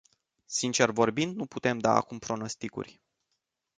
Sincer vorbind, nu putem da acum pronosticuri.